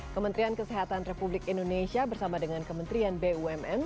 kementerian kesehatan republik indonesia bersama dengan kementerian bumn